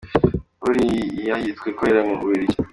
Burayi yitwa ikorera mu Bubiligi.